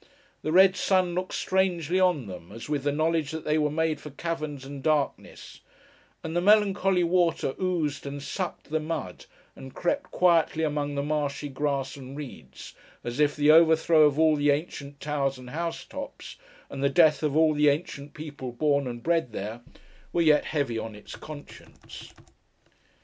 The red sun looked strangely on them, as with the knowledge that they were made for caverns and darkness; and the melancholy water oozed and sucked the mud, and crept quietly among the marshy grass and reeds, as if the overthrow of all the ancient towers and housetops, and the death of all the ancient people born and bred there, were yet heavy on its conscience.